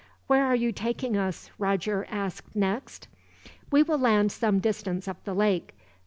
'" "Where are you taking us?" Roger asked next. "We will land some distance up the lake.